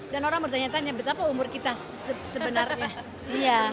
dan orang bertanya tanya betapa umur kita sebenarnya